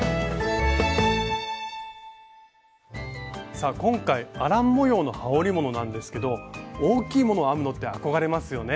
さあ今回アラン模様のはおりものなんですけど大きいもの編むのって憧れますよね。